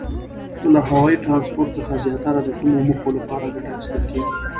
له هوایي ترانسپورت څخه زیاتره د کومو موخو لپاره ګټه اخیستل کیږي؟